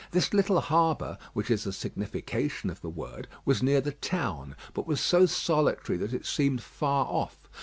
This little harbour (which is the signification of the word) was near the town, but was so solitary that it seemed far off.